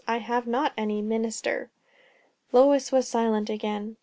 I have not any 'minister.'" Lois was silent again.